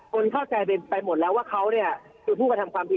คนเข้าใจไปหมดแล้วว่าเขาเนี่ยคือผู้กระทำความผิด